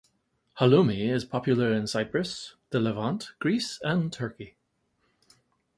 Halloumi is popular in Cyprus, the Levant, Greece, and Turkey.